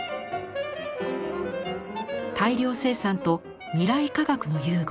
大量生産と未来科学の融合。